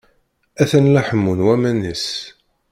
Atan la ḥemmun waman-is.